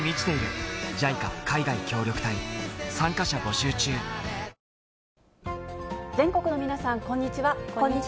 今週、全国の皆さん、こんにちは。